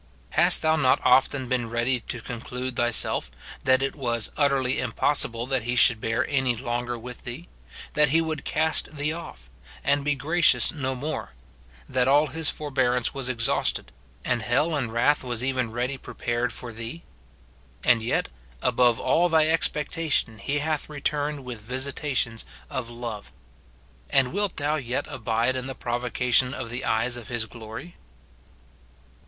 Hast thou not often been ready to conclude thyself, that it was utterly impossible that he should bear any longer with thee ; that he would cast thee oiF, and be gracious no more ; that all his forbearance was exhaust ed, and hell and wrath was even ready prepared for thee ? and yet, above all thy expectation, he hath re 252 MORTIFICATION OP turned with visitations of love. And wilt thou yet abide in the provocation of the eyes of his glory